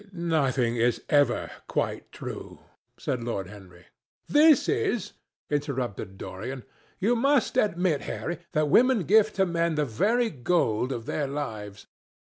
"Nothing is ever quite true," said Lord Henry. "This is," interrupted Dorian. "You must admit, Harry, that women give to men the very gold of their lives."